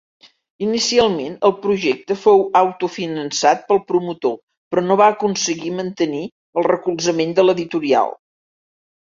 Inicialment, el projecte fou autofinançat pel promotor però no va aconseguir mantenir el recolzament de l'editorial.